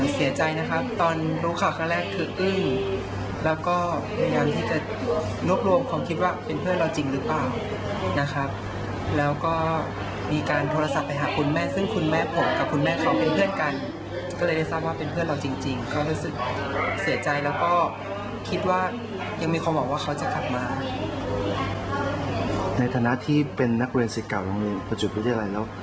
สร้างชื่อเสียงเป็นนักบินเนี่ย